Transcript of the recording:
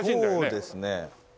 そうですね。